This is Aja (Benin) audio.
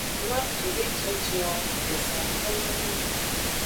No afide jinjin o, ezan wo fonno nii.